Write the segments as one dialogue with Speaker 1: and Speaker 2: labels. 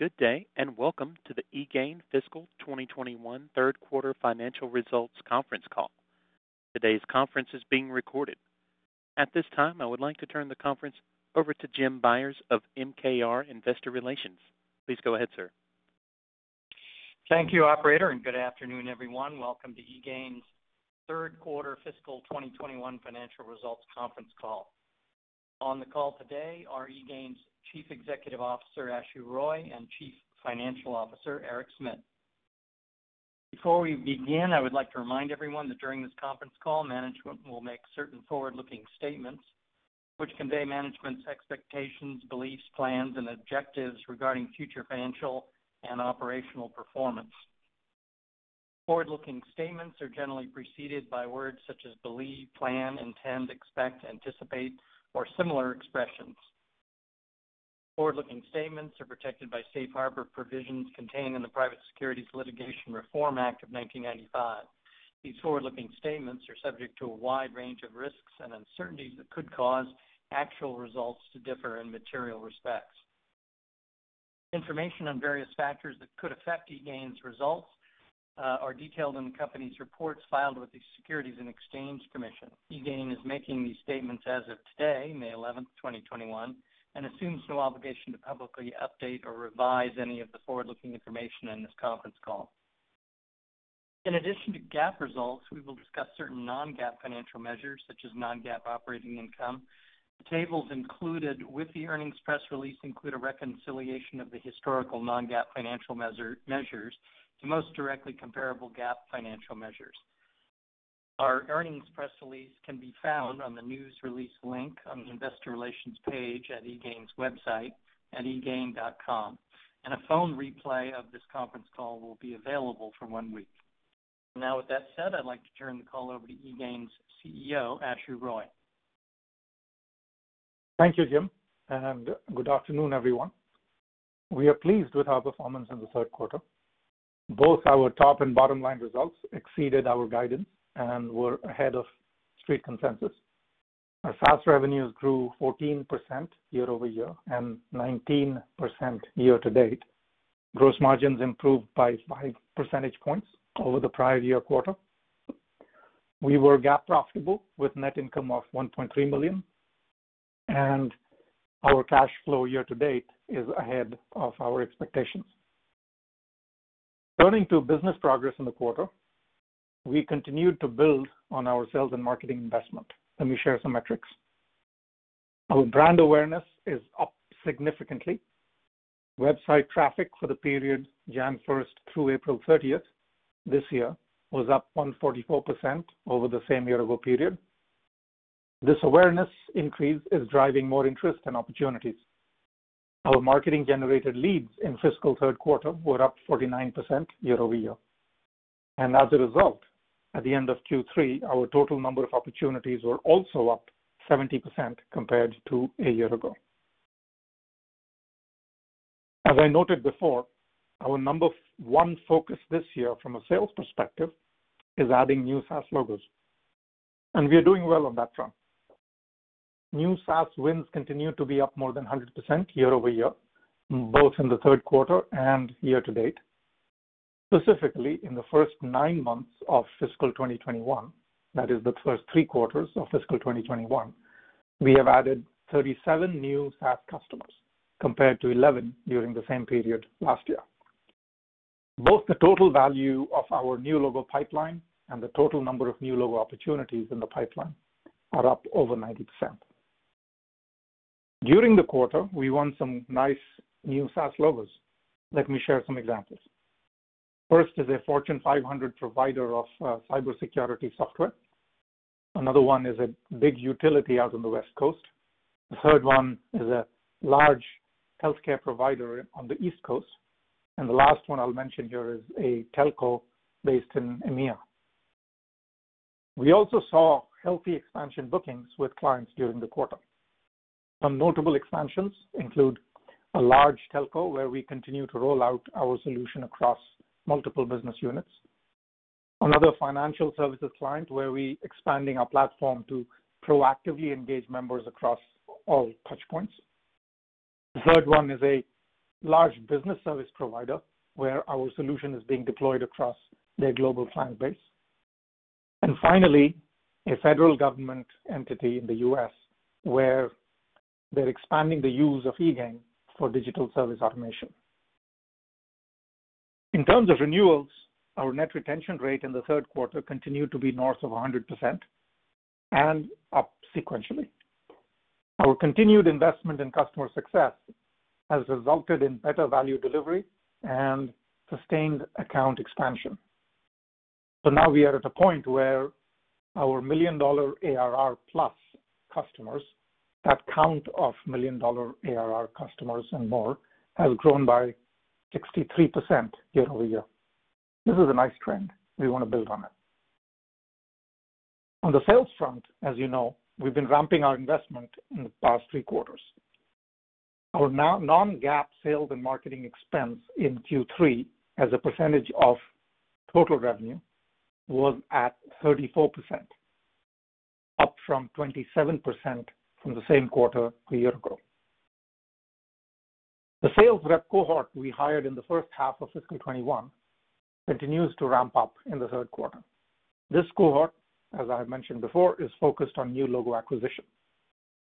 Speaker 1: Good day, and welcome to the eGain Fiscal 2021 Third Quarter Financial Results Conference Call. Today's conference is being recorded. At this time, I would like to turn the conference over to Jim Byers of MKR Investor Relations. Please go ahead, sir.
Speaker 2: Thank you, operator. Good afternoon, everyone. Welcome to eGain's third quarter fiscal 2021 financial results conference call. On the call today are eGain's Chief Executive Officer, Ashu Roy, and Chief Financial Officer, Eric Smit. Before we begin, I would like to remind everyone that during this conference call, management will make certain forward-looking statements which convey management's expectations, beliefs, plans, and objectives regarding future financial and operational performance. Forward-looking statements are generally preceded by words such as believe, plan, intend, expect, anticipate, or similar expressions. Forward-looking statements are protected by safe harbor provisions contained in the Private Securities Litigation Reform Act of 1995. These forward-looking statements are subject to a wide range of risks and uncertainties that could cause actual results to differ in material respects. Information on various factors that could affect eGain's results are detailed in the company's reports filed with the Securities and Exchange Commission. eGain is making these statements as of today, May 11, 2021, and assumes no obligation to publicly update or revise any of the forward-looking information in this conference call. In addition to GAAP results, we will discuss certain non-GAAP financial measures, such as non-GAAP operating income. The tables included with the earnings press release include a reconciliation of the historical non-GAAP financial measures to the most directly comparable GAAP financial measures. Our earnings press release can be found on the news release link on the investor relations page at eGain's website at egain.com. A phone replay of this conference call will be available for one week. Now, with that said, I'd like to turn the call over to eGain's CEO, Ashu Roy.
Speaker 3: Thank you, Jim, and good afternoon, everyone. We are pleased with our performance in the third quarter. Both our top and bottom line results exceeded our guidance and were ahead of street consensus. Our SaaS revenues grew 14% year-over-year and 19% year-to-date. Gross margins improved by five percentage points over the prior year quarter. We were GAAP profitable with net income of $1.3 million, and our cash flow year to date is ahead of our expectations. Turning to business progress in the quarter, we continued to build on our sales and marketing investment. Let me share some metrics. Our brand awareness is up significantly. Website traffic for the period January 1st through April 30th this year was up 144% over the same year ago period. This awareness increase is driving more interest and opportunities. Our marketing-generated leads in fiscal third quarter were up 49% year-over-year. As a result, at the end of Q3, our total number of opportunities were also up 70% compared to a year ago. As I noted before, our number one focus this year from a sales perspective is adding new SaaS logos, we are doing well on that front. New SaaS wins continue to be up more than 100% year-over-year, both in the third quarter and year-to-date. Specifically, in the first nine months of fiscal 2021, that is the first three quarters of fiscal 2021, we have added 37 new SaaS customers, compared to 11 during the same period last year. Both the total value of our new logo pipeline and the total number of new logo opportunities in the pipeline are up over 90%. During the quarter, we won some nice new SaaS logos. Let me share some examples. First is a Fortune 500 provider of cybersecurity software. Another one is a big utility out on the West Coast. The third one is a large healthcare provider on the East Coast. The last one I'll mention here is a telco based in EMEA. We also saw healthy expansion bookings with clients during the quarter. Some notable expansions include a large telco where we continue to roll out our solution across multiple business units. Another financial services client where we expanding our platform to proactively engage members across all touchpoints. The third one is a large business service provider, where our solution is being deployed across their global client base. Finally, a federal government entity in the U.S. where they're expanding the use of eGain for digital service automation. In terms of renewals, our net retention rate in the third quarter continued to be north of 100% and up sequentially. Our continued investment in customer success has resulted in better value delivery and sustained account expansion. Now we are at a point where our million-dollar ARR-plus customers, that count of million-dollar ARR customers and more, has grown by 63% year-over-year. This is a nice trend. We want to build on it. On the sales front, as you know, we've been ramping our investment in the past three quarters. Our non-GAAP sales and marketing expense in Q3 as a percentage of total revenue was at 34%, up from 27% from the same quarter a year ago. The sales rep cohort we hired in the first half of fiscal 2021 continues to ramp up in the third quarter. This cohort, as I have mentioned before, is focused on new logo acquisition.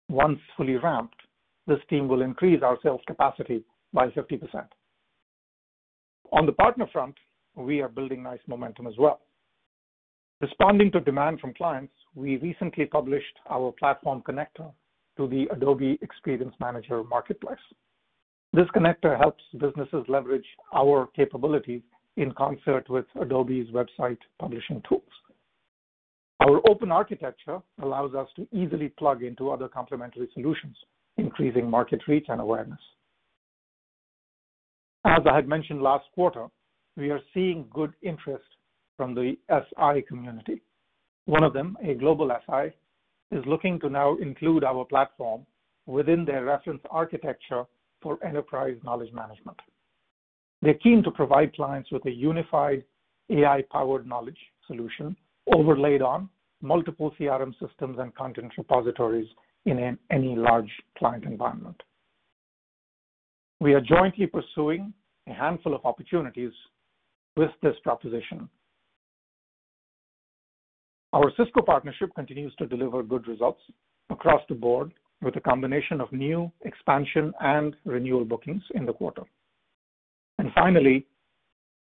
Speaker 3: Once fully ramped, this team will increase our sales capacity by 50%. On the partner front, we are building nice momentum as well. Responding to demand from clients, we recently published our platform connector to the Adobe Experience Manager Marketplace. This connector helps businesses leverage our capabilities in concert with Adobe's website publishing tools. Our open architecture allows us to easily plug into other complementary solutions, increasing market reach and awareness. As I had mentioned last quarter, we are seeing good interest from the SI community. One of them, a global SI, is looking to now include our platform within their reference architecture for enterprise knowledge management. They're keen to provide clients with a unified AI-powered knowledge solution overlaid on multiple CRM systems and content repositories in any large client environment. We are jointly pursuing a handful of opportunities with this proposition. Our Cisco partnership continues to deliver good results across the board with a combination of new expansion and renewal bookings in the quarter. Finally,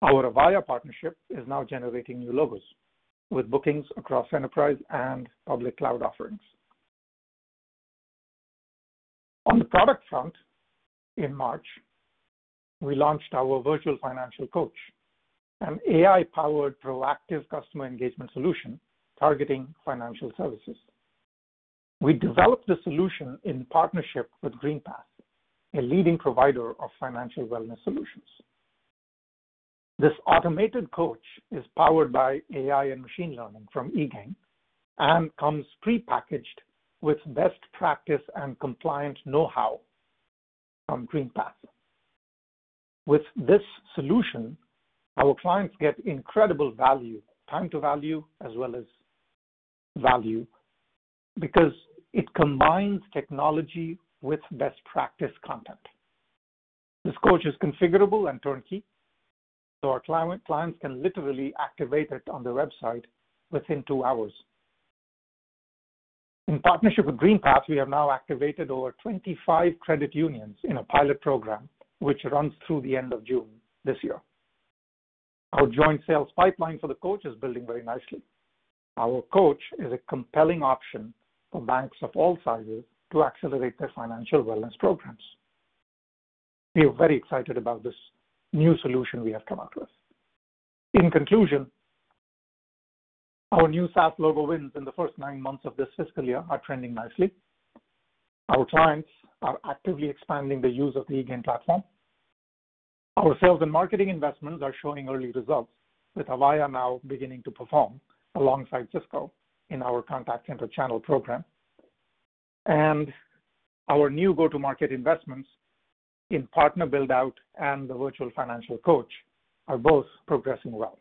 Speaker 3: our Avaya partnership is now generating new logos with bookings across enterprise and public cloud offerings. On the product front, in March, we launched our Virtual Financial Coach, an AI-powered proactive customer engagement solution targeting financial services. We developed the solution in partnership with GreenPath, a leading provider of financial wellness solutions. This automated coach is powered by AI and machine learning from eGain and comes prepackaged with best practice and compliance knowhow from GreenPath. With this solution, our clients get incredible value, time to value, as well as value, because it combines technology with best practice content. This coach is configurable and turnkey, so our clients can literally activate it on their website within two hours. In partnership with GreenPath, we have now activated over 25 credit unions in a pilot program which runs through the end of June this year. Our joint sales pipeline for the coach is building very nicely. Our coach is a compelling option for banks of all sizes to accelerate their financial wellness programs. We are very excited about this new solution we have come up with. In conclusion, our new SaaS logo wins in the first nine months of this fiscal year are trending nicely. Our clients are actively expanding the use of the eGain platform. Our sales and marketing investments are showing early results with Avaya now beginning to perform alongside Cisco in our contact center channel program. Our new go-to-market investments in partner build-out and the Virtual Financial Coach are both progressing well.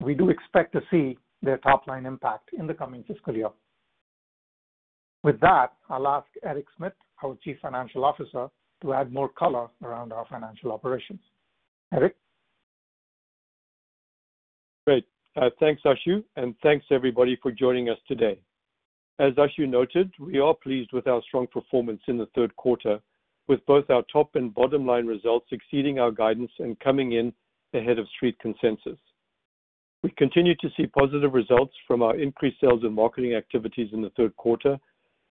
Speaker 3: We do expect to see their top-line impact in the coming fiscal year. With that, I'll ask Eric Smit, our Chief Financial Officer, to add more color around our financial operations. Eric?
Speaker 4: Great. Thanks, Ashu, and thanks, everybody, for joining us today. As Ashu noted, we are pleased with our strong performance in the third quarter with both our top and bottom line results exceeding our guidance and coming in ahead of Street Consensus. We continue to see positive results from our increased sales and marketing activities in the third quarter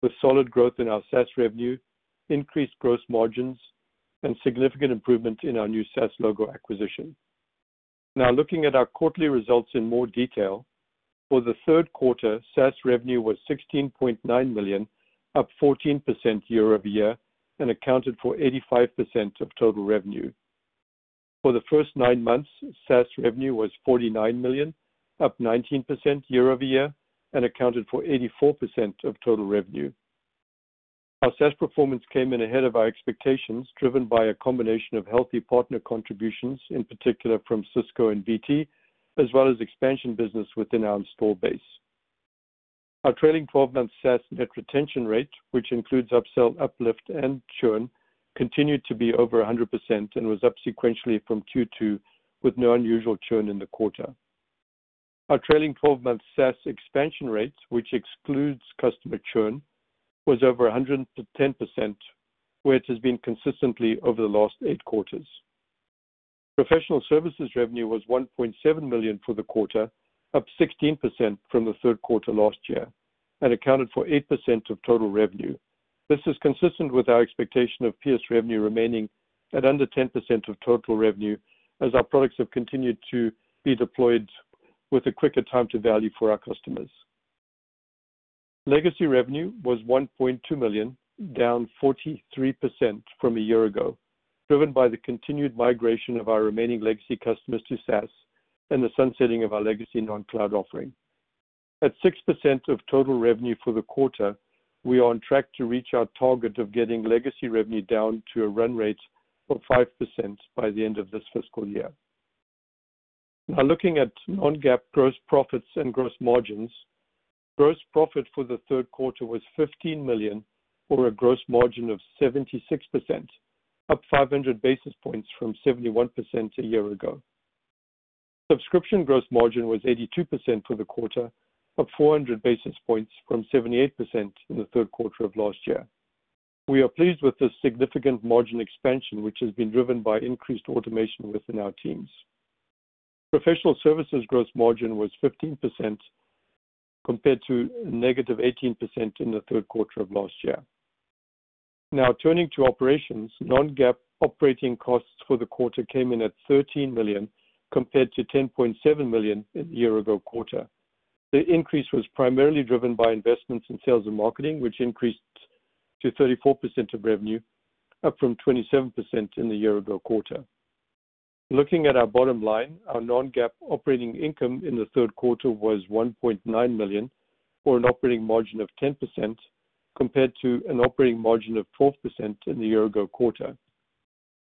Speaker 4: with solid growth in our SaaS revenue, increased gross margins, and significant improvement in our new SaaS logo acquisition. Now looking at our quarterly results in more detail. For the third quarter, SaaS revenue was $16.9 million, up 14% year-over-year, and accounted for 85% of total revenue. For the first nine months, SaaS revenue was $49 million, up 19% year-over-year, and accounted for 84% of total revenue. Our SaaS performance came in ahead of our expectations, driven by a combination of healthy partner contributions, in particular from Cisco and BT, as well as expansion business within our installed base. Our trailing 12-month SaaS net retention rate, which includes upsell, uplift, and churn, continued to be over 100% and was up sequentially from Q2 with no unusual churn in the quarter. Our trailing 12-month SaaS expansion rate, which excludes customer churn, was over 110%, where it has been consistently over the last eight quarters. Professional services revenue was $1.7 million for the quarter, up 16% from the third quarter last year, and accounted for 8% of total revenue. This is consistent with our expectation of PS revenue remaining at under 10% of total revenue as our products have continued to be deployed with a quicker time to value for our customers. Legacy revenue was $1.2 million, down 43% from a year ago, driven by the continued migration of our remaining legacy customers to SaaS and the sunsetting of our legacy non-cloud offering. At 6% of total revenue for the quarter, we are on track to reach our target of getting legacy revenue down to a run rate of 5% by the end of this fiscal year. Now looking at non-GAAP gross profits and gross margins. Gross profit for the third quarter was $15 million, or a gross margin of 76%, up 500 basis points from 71% a year ago. Subscription gross margin was 82% for the quarter, up 400 basis points from 78% in the third quarter of last year. We are pleased with this significant margin expansion, which has been driven by increased automation within our teams. Professional services gross margin was 15% compared to negative 18% in the third quarter of last year. Turning to operations. Non-GAAP operating costs for the quarter came in at $13 million, compared to $10.7 million in year-ago quarter. The increase was primarily driven by investments in sales and marketing, which increased to 34% of revenue, up from 27% in the year-ago quarter. Looking at our bottom line, our non-GAAP operating income in the third quarter was $1.9 million, or an operating margin of 10%, compared to an operating margin of 12% in the year-ago quarter.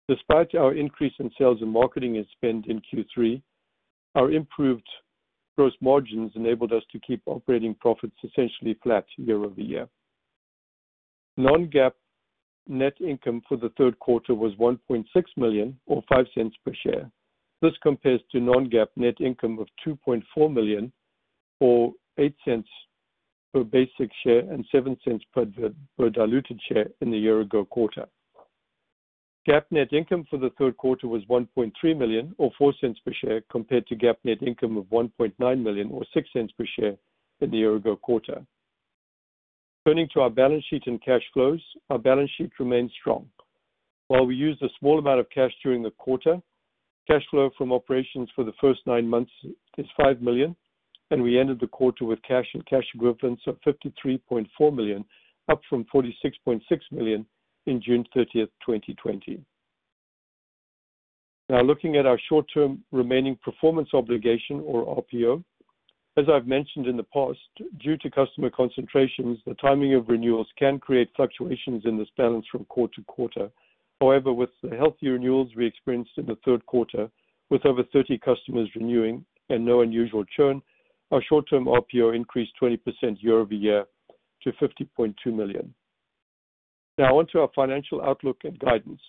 Speaker 4: Despite our increase in sales and marketing spend in Q3, our improved gross margins enabled us to keep operating profits essentially flat year-over-year. Non-GAAP net income for the third quarter was $1.6 million or $0.05 per share. This compares to non-GAAP net income of $2.4 million, or $0.08 per basic share and $0.07 per diluted share in the year-ago quarter. GAAP net income for the third quarter was $1.3 million or $0.04 per share compared to GAAP net income of $1.9 million or $0.06 per share in the year-ago quarter. Turning to our balance sheet and cash flows. Our balance sheet remains strong. While we used a small amount of cash during the quarter, cash flow from operations for the first nine months is $5 million, and we ended the quarter with cash and cash equivalents of $53.4 million, up from $46.6 million in June 30th, 2020. Looking at our short-term remaining performance obligation or RPO. As I've mentioned in the past, due to customer concentrations, the timing of renewals can create fluctuations in this balance from quarter to quarter. However, with the healthy renewals we experienced in the third quarter, with over 30 customers renewing and no unusual churn, our short-term RPO increased 20% year-over-year to $50.2 million. On to our financial outlook and guidance.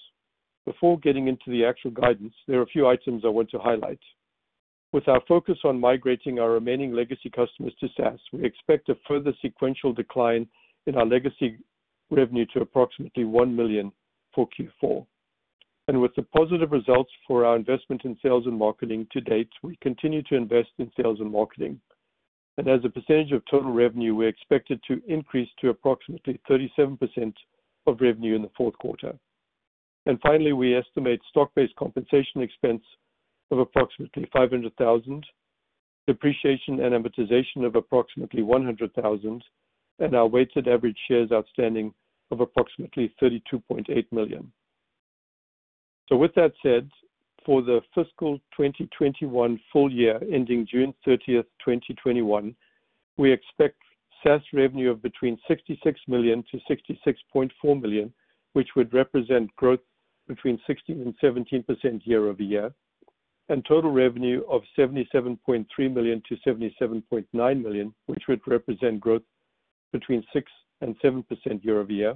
Speaker 4: Before getting into the actual guidance, there are a few items I want to highlight. With our focus on migrating our remaining legacy customers to SaaS, we expect a further sequential decline in our legacy revenue to approximately $1 million for Q4. With the positive results for our investment in sales and marketing to date, we continue to invest in sales and marketing. As a percentage of total revenue, we're expected to increase to approximately 37% of revenue in the fourth quarter. Finally, we estimate stock-based compensation expense of approximately $500,000, depreciation and amortization of approximately $100,000, and our weighted average shares outstanding of approximately 32.8 million. With that said, for the fiscal 2021 full year ending June 30th, 2021, we expect SaaS revenue of between $66 million-$66.4 million, which would represent growth between 16%-17% year-over-year, and total revenue of $77.3 million-$77.9 million, which would represent growth between 6%-7% year-over-year.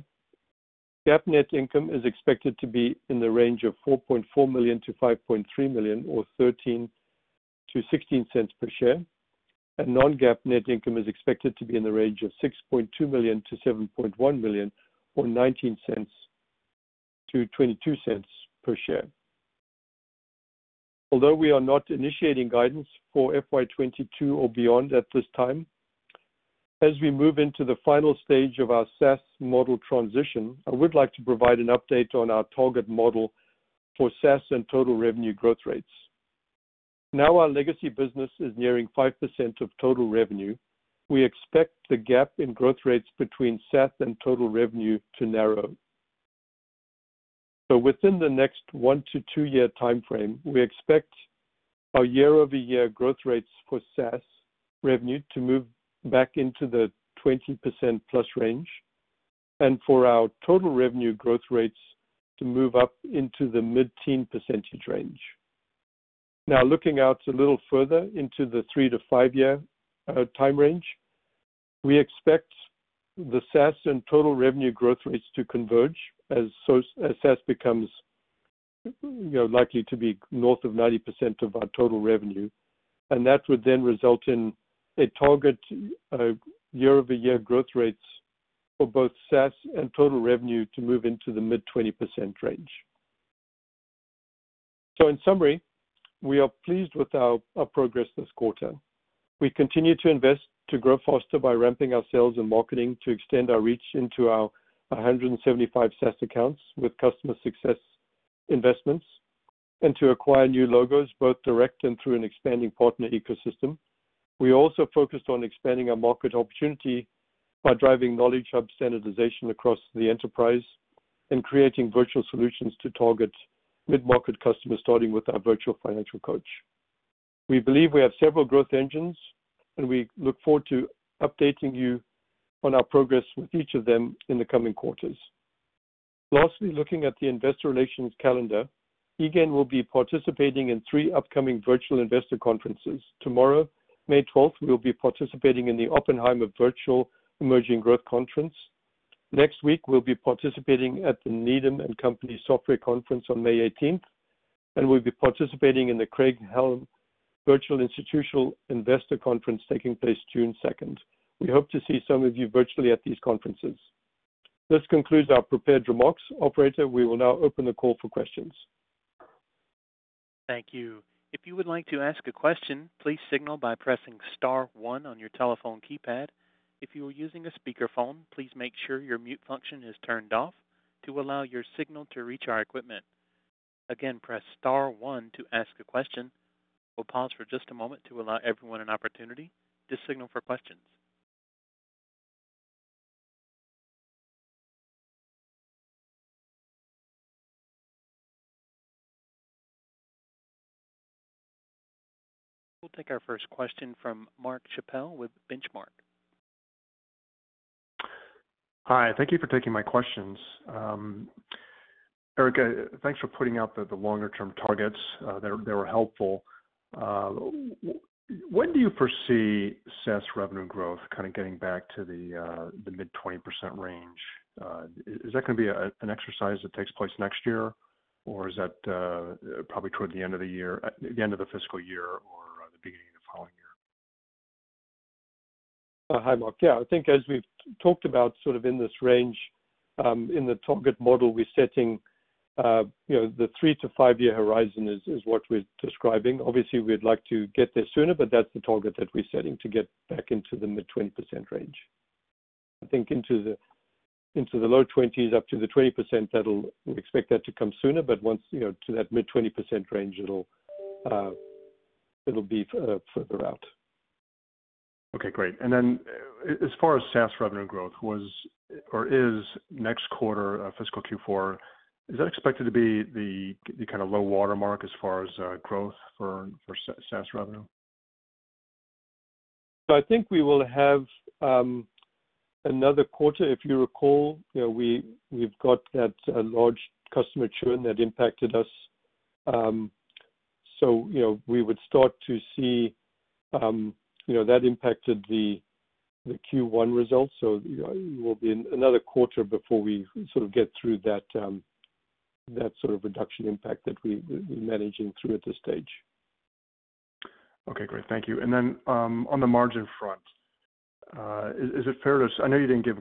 Speaker 4: GAAP net income is expected to be in the range of $4.4 million-$5.3 million, or $0.13-$0.16 per share. Non-GAAP net income is expected to be in the range of $6.2 million-$7.1 million, or $0.19-$0.22 per share. Although we are not initiating guidance for FY22 or beyond at this time, as we move into the final stage of our SaaS model transition, I would like to provide an update on our target model for SaaS and total revenue growth rates. Our legacy business is nearing 5% of total revenue. We expect the gap in growth rates between SaaS and total revenue to narrow. Within the next 1-2 year time frame, we expect our year-over-year growth rates for SaaS revenue to move back into the 20%+ range, and for our total revenue growth rates to move up into the mid-teen % range. Looking out a little further into the 3-5 year time range, we expect the SaaS and total revenue growth rates to converge as SaaS becomes likely to be north of 90% of our total revenue. That would result in a target year-over-year growth rates for both SaaS and total revenue to move into the mid 20% range. In summary, we are pleased with our progress this quarter. We continue to invest to grow faster by ramping our sales and marketing to extend our reach into our 175 SaaS accounts with customer success investments and to acquire new logos, both direct and through an expanding partner ecosystem. We also focused on expanding our market opportunity by driving knowledge hub standardization across the enterprise and creating virtual solutions to target mid-market customers, starting with our Virtual Financial Coach. We believe we have several growth engines, and we look forward to updating you on our progress with each of them in the coming quarters. Lastly, looking at the investor relations calendar, eGain will be participating in three upcoming virtual investor conferences. Tomorrow, May 12th, we'll be participating in the Oppenheimer Virtual Emerging Growth Conference. Next week, we'll be participating at the Needham & Company Software Conference on May 18th, and we'll be participating in the Craig-Hallum Virtual Institutional Investor Conference taking place June second. We hope to see some of you virtually at these conferences. This concludes our prepared remarks. Operator, we will now open the call for questions.
Speaker 1: Thank you. If you would like to ask a question, please signal by pressing star one on your telephone keypad. If you are using a speakerphone, please make sure your mute function is turned off to allow your signal to reach our equipment. Again, press star one to ask a question. We'll pause for just a moment to allow everyone an opportunity to signal for questions. We'll take our first question from Mark Schappel with Benchmark.
Speaker 5: Hi, thank you for taking my questions. Eric, thanks for pointing out the longer-term targets. They were helpful. When do you foresee SaaS revenue growth kind of getting back to the mid 20% range? Is that going to be an exercise that takes place next year, or is that probably toward the end of the year, the end of the fiscal year or the beginning of the following year?
Speaker 4: Hi, Mark. Yeah, I think as we've talked about sort of in this range, in the target model we're setting, the three to five-year horizon is what we're describing. Obviously, we'd like to get there sooner, that's the target that we're setting to get back into the mid 20% range. I think into the low 20s up to the 20%, we expect that to come sooner, once to that mid 20% range, it'll be further out.
Speaker 5: Okay, great. Then as far as SaaS revenue growth, was or is next quarter, fiscal Q4, is that expected to be the kind of low water mark as far as growth for SaaS revenue?
Speaker 4: I think we will have another quarter. If you recall, we've got that large customer churn that impacted us. We would start to see that impacted the Q1 results. It will be another quarter before we sort of get through that sort of induction impact that we're managing through at this stage.
Speaker 5: Okay, great. Thank you. On the margin front, I know you didn't give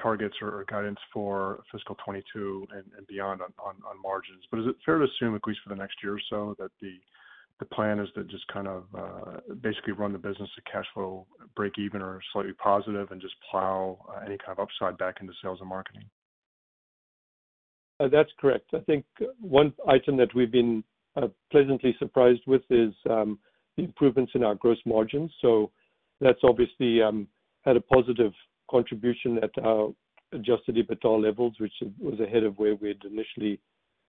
Speaker 5: targets or guidance for FY 2022 and beyond on margins, is it fair to assume, at least for the next year or so, that the plan is to just kind of basically run the business to cash flow break even or slightly positive and just plow any kind of upside back into sales and marketing?
Speaker 4: That's correct. I think one item that we've been pleasantly surprised with is the improvements in our gross margin. That's obviously had a positive contribution at our adjusted EBITDA levels, which was ahead of where we had initially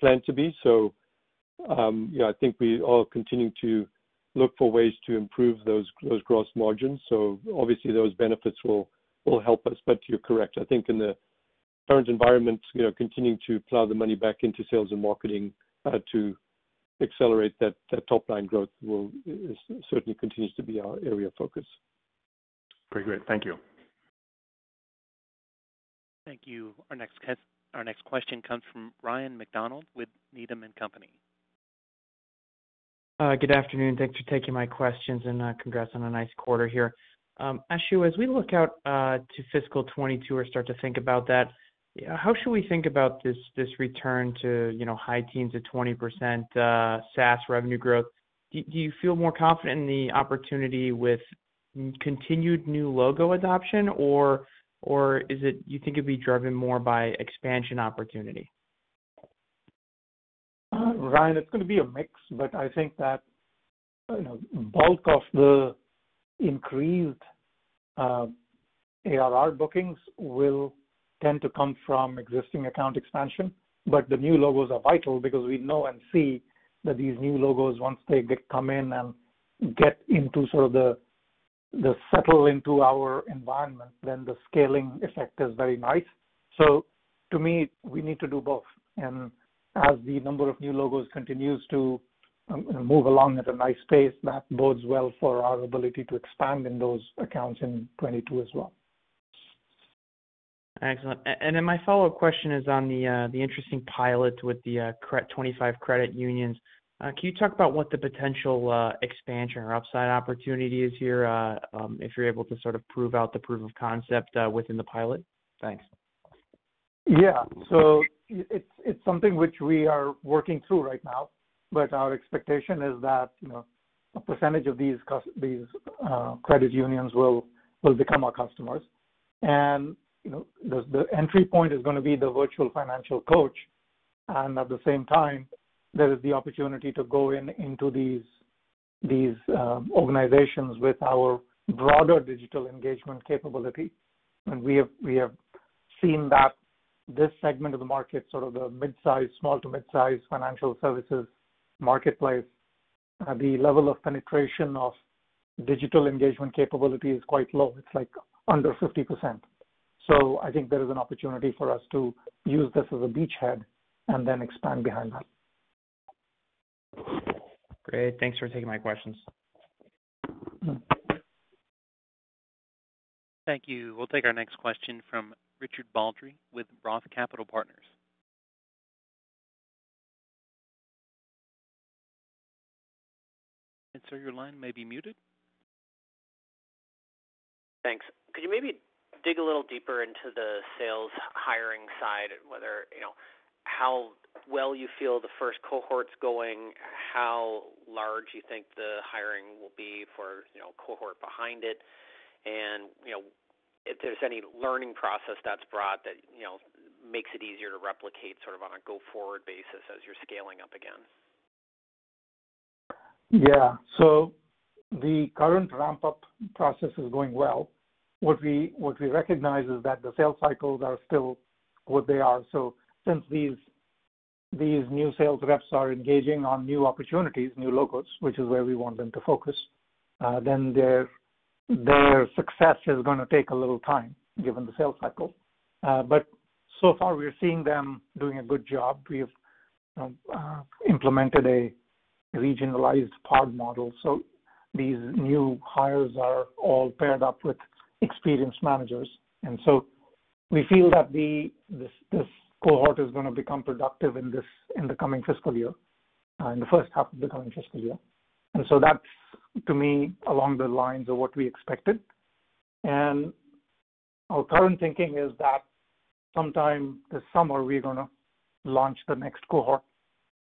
Speaker 4: planned to be. I think we all continue to look for ways to improve those gross margins. Obviously those benefits will help us. You're correct. I think in the current environment, continuing to plow the money back into sales and marketing to accelerate that top line growth will certainly continue to be our area of focus.
Speaker 5: Great. Thank you.
Speaker 1: Thank you. Our next question comes from Ryan MacDonald with Needham & Company.
Speaker 6: Good afternoon. Thanks for taking my questions and congrats on a nice quarter here. Ashu, as we look out to fiscal 2022 or start to think about that, how should we think about this return to high teens of 20% SaaS revenue growth? Do you feel more confident in the opportunity with continued new logo adoption, or is it you think it'd be driven more by expansion opportunity?
Speaker 3: Ryan, it's going to be a mix, but I think that bulk of the increased ARR bookings will tend to come from existing account expansion. The new logos are vital because we know and see that these new logos, once they come in and get into sort of they settle into our environment, then the scaling effect is very nice. To me, we need to do both. As the number of new logos continues to move along at a nice pace, that bodes well for our ability to expand in those accounts in 2022 as well.
Speaker 6: Excellent. Then my follow-up question is on the interesting pilots with the 25 credit unions. Can you talk about what the potential expansion or upside opportunity is here if you're able to sort of prove out the proof of concept within the pilot? Thanks.
Speaker 3: Yeah. It's something which we are working through right now, but our expectation is that a percentage of these credit unions will become our customers. The entry point is going to be the Virtual Financial Coach, and at the same time, there is the opportunity to go into these organizations with our broader digital engagement capability. We have seen that this segment of the market, sort of the mid-size, small to mid-size financial services marketplace The level of penetration of digital engagement capability is quite low. It's under 50%. I think there is an opportunity for us to use this as a beachhead and then expand behind that.
Speaker 6: Great. Thanks for taking my questions.
Speaker 1: Thank you. We'll take our next question from Richard Baldry with Roth Capital Partners. Sir, your line may be muted.
Speaker 7: Thanks. Could you maybe dig a little deeper into the sales hiring side, how well you feel the first cohort's going, how large you think the hiring will be for cohort behind it, and if there's any learning process that's brought that makes it easier to replicate sort of on a go-forward basis as you're scaling up again?
Speaker 3: Yeah. The current ramp-up process is going well. What we recognize is that the sales cycles are still what they are. Since these new sales reps are engaging on new opportunities, new logos, which is where we want them to focus, then their success is going to take a little time, given the sales cycle. So far, we are seeing them doing a good job. We have implemented a regionalized pod model. These new hires are all paired up with experienced managers. We feel that this cohort is going to become productive in the coming fiscal year, in the first half of the coming fiscal year. That's, to me, along the lines of what we expected. Our current thinking is that sometime this summer, we're going to launch the next cohort,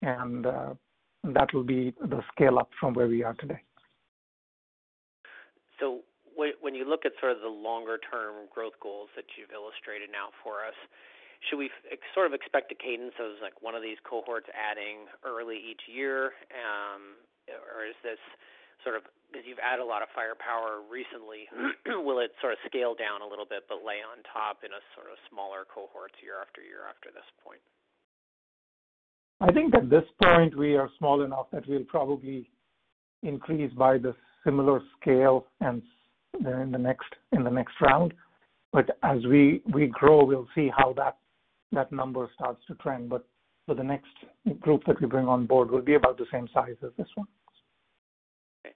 Speaker 3: and that will be the scale-up from where we are today.
Speaker 7: When you look at sort of the longer-term growth goals that you've illustrated now for us, should we sort of expect a cadence of one of these cohorts adding early each year? Or as you've added a lot of firepower recently, will it sort of scale down a little bit, but lay on top in a sort of smaller cohorts year after year after this point?
Speaker 3: I think at this point, we are small enough that we'll probably increase by the similar scale in the next round. As we grow, we'll see how that number starts to trend. For the next group that we bring on board will be about the same size as this one.
Speaker 7: Okay.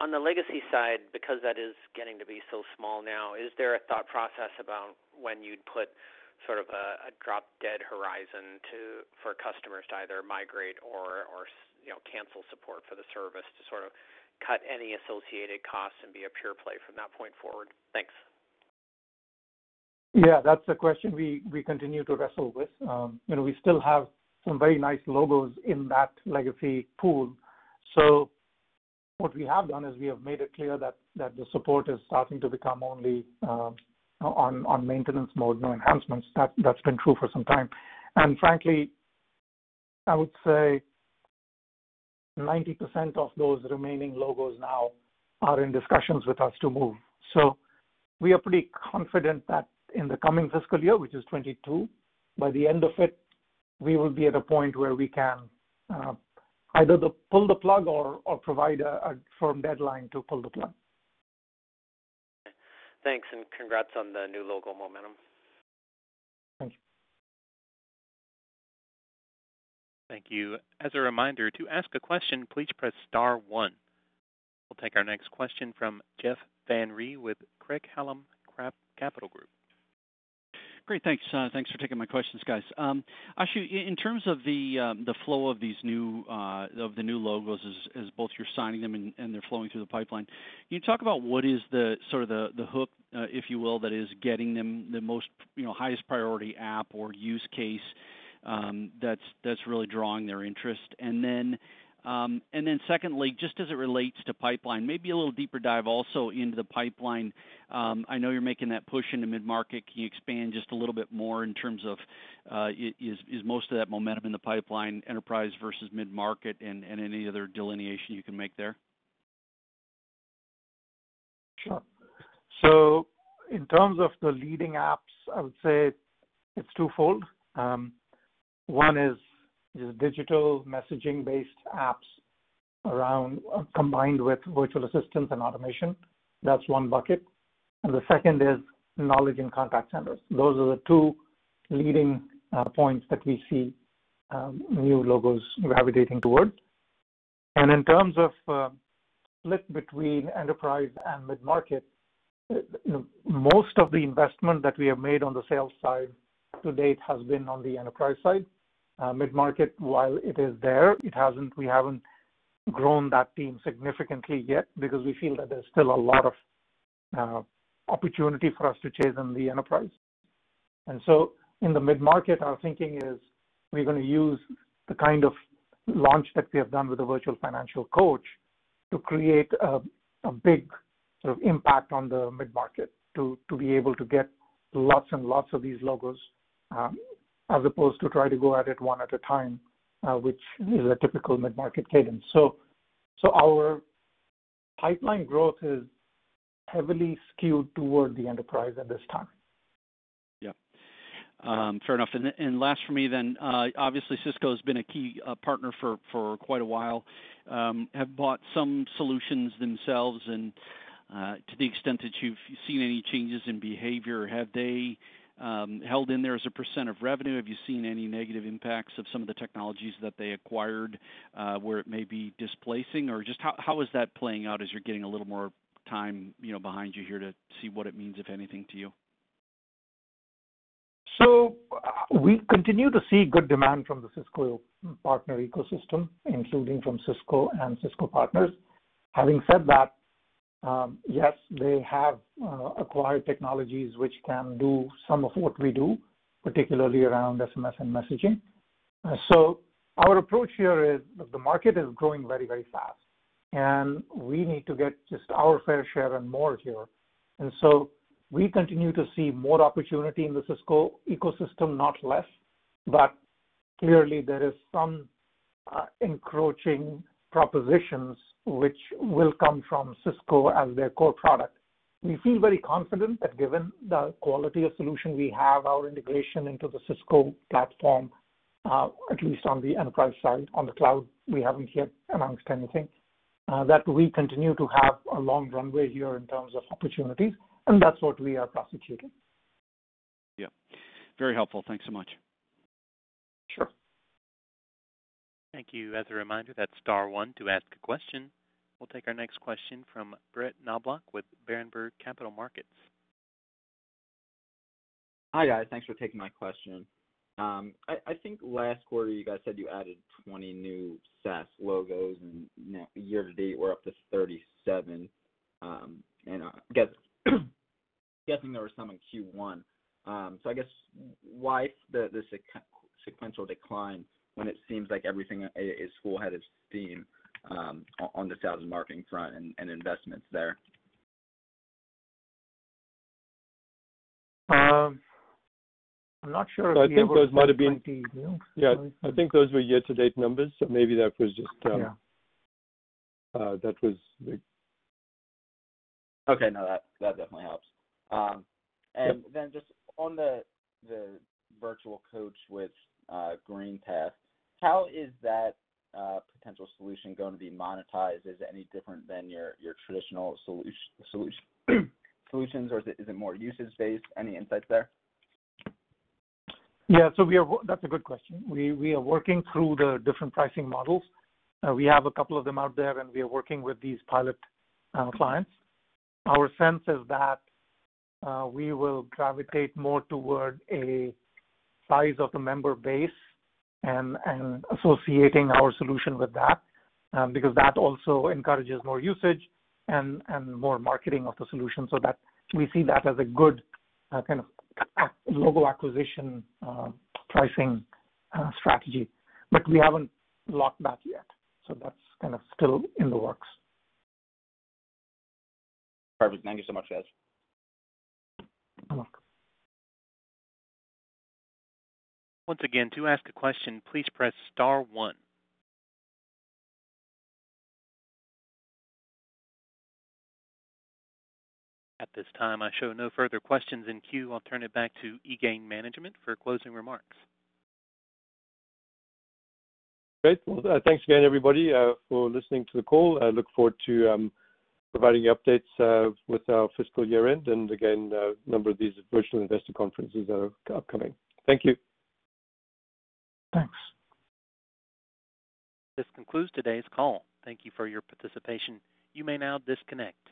Speaker 7: On the legacy side, because that is getting to be so small now, is there a thought process about when you'd put sort of a drop-dead horizon for customers to either migrate or cancel support for the service to sort of cut any associated costs and be a pure play from that point forward? Thanks.
Speaker 3: Yeah. That's a question we continue to wrestle with. We still have some very nice logos in that legacy pool. What we have done is we have made it clear that the support is starting to become only on maintenance mode, no enhancements. That's been true for some time. Frankly, I would say 90% of those remaining logos now are in discussions with us to move. We are pretty confident that in the coming fiscal year, which is 2022, by the end of it, we will be at a point where we can either pull the plug or provide a firm deadline to pull the plug.
Speaker 7: Thanks. Congrats on the new logo momentum.
Speaker 3: Thank you.
Speaker 1: Thank you. As a reminder, to ask a question, please press star one. We'll take our next question from Jeff Van Rhee with Craig-Hallum Capital Group.
Speaker 8: Great. Thanks for taking my questions, guys. Ashu, in terms of the flow of the new logos as both you're signing them and they're flowing through the pipeline, can you talk about what is the sort of the hook, if you will, that is getting them the most highest priority app or use case that's really drawing their interest? Secondly, just as it relates to pipeline, maybe a little deeper dive also into the pipeline. I know you're making that push into mid-market. Can you expand just a little bit more in terms of, is most of that momentum in the pipeline enterprise versus mid-market and any other delineation you can make there?
Speaker 3: Sure. In terms of the leading apps, I would say it's twofold. One is digital messaging-based apps combined with virtual assistants and automation. That's one bucket. The second is knowledge and contact centers. Those are the two leading points that we see new logos gravitating toward. In terms of a split between enterprise and mid-market, most of the investment that we have made on the sales side to date has been on the enterprise side. Mid-market, while it is there, we haven't grown that team significantly yet because we feel that there's still a lot of opportunity for us to chase in the enterprise. In the mid-market, our thinking is we're going to use the kind of launch that we have done with the Virtual Financial Coach to create a big sort of impact on the mid-market to be able to get lots and lots of these logos, as opposed to try to go at it one at a time, which is a typical mid-market cadence. Our pipeline growth is heavily skewed toward the enterprise at this time.
Speaker 8: Yeah. Fair enough. Last for me then, obviously Cisco has been a key partner for quite a while. Have bought some solutions themselves, and to the extent that you've seen any changes in behavior, have they held in there as a % of revenue? Have you seen any negative impacts of some of the technologies that they acquired, where it may be displacing? Or just how is that playing out as you're getting a little more time behind you here to see what it means, if anything, to you?
Speaker 3: We continue to see good demand from the Cisco partner ecosystem, including from Cisco and Cisco partners. Having said that, yes, they have acquired technologies which can do some of what we do, particularly around SMS and messaging. Our approach here is the market is growing very, very fast, and we need to get just our fair share and more here. We continue to see more opportunity in the Cisco ecosystem, not less. Clearly there is some encroaching propositions which will come from Cisco as their core product. We feel very confident that given the quality of solution we have, our integration into the Cisco platform, at least on the enterprise side, on the cloud, we haven't yet announced anything, that we continue to have a long runway here in terms of opportunities, and that's what we are prosecuting.
Speaker 8: Yeah. Very helpful. Thanks so much.
Speaker 3: Sure.
Speaker 1: Thank you. As a reminder, that's star one to ask a question. We'll take our next question from Brett Knoblauch with Berenberg Capital Markets.
Speaker 9: Hi, guys. Thanks for taking my question. I think last quarter you guys said you added 20 new SaaS logos, and year to date we're up to 37. I'm guessing there were some in Q1. I guess why the sequential decline when it seems like everything is full-headed steam on the sales and marketing front and investments there?
Speaker 3: I'm not sure if we ever said 20.
Speaker 4: I think those might have been Yeah, I think those were year-to-date numbers.
Speaker 3: Yeah
Speaker 4: that was the
Speaker 9: Okay. No, that definitely helps.
Speaker 4: Yep.
Speaker 9: Just on the virtual coach with GreenPath, how is that potential solution going to be monetized? Is it any different than your traditional solutions, or is it more usage-based? Any insights there?
Speaker 3: Yeah, that's a good question. We are working through the different pricing models. We have a couple of them out there, and we are working with these pilot clients. Our sense is that we will gravitate more toward a size of the member base and associating our solution with that because that also encourages more usage and more marketing of the solution. We see that as a good kind of global acquisition pricing strategy. We haven't locked that yet, so that's kind of still in the works.
Speaker 9: Perfect. Thank you so much, guys.
Speaker 3: You're welcome.
Speaker 1: Once again, to ask a question, please press star one. At this time, I show no further questions in queue. I'll turn it back to eGain management for closing remarks.
Speaker 4: Great. Well, thanks again, everybody, for listening to the call. I look forward to providing updates with our fiscal year end and, again, a number of these virtual investor conferences that are upcoming. Thank you.
Speaker 3: Thanks.
Speaker 1: This concludes today's call. Thank you for your participation. You may now disconnect.